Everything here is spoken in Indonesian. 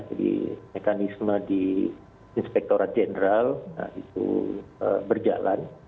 jadi mekanisme di inspektorat jeneral nah itu berjalan